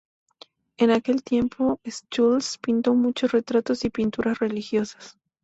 En aquel tiempo, Schultz pintó muchos retratos y pinturas religiosas.